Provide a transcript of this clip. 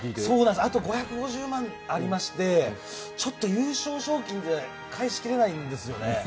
あと５５０万ありまして、優勝賞金で返しきれないんですよね。